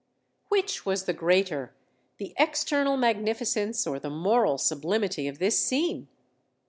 Which was the greater, the external magnificence, or the moral sublimity of this scene?